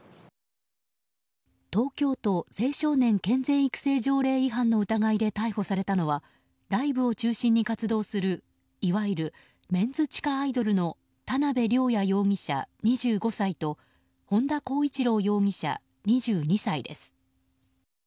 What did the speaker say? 東京都青少年健全育成条例違反の疑いで逮捕されたのはライブを中心に活動するいわゆるメンズ地下アイドルの田辺稜弥容疑者、２５歳と本田孝一朗容疑者、２２歳です。